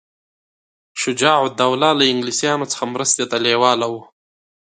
شجاع الدوله له انګلیسیانو څخه مرستې ته لېواله وو.